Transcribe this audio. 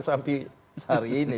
sampai hari ini